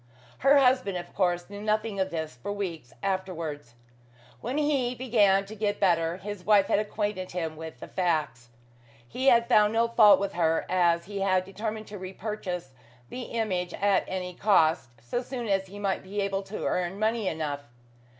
Her husband, of course, knew nothing of this for weeks afterwards. When he began to get better, his wife had acquainted him with the facts. He had found no fault with her, as he had determined to repurchase the image at any cost, so soon as he might be able to earn money enough.